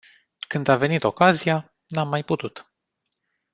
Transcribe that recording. Când a venit ocazia, n-am mai putut.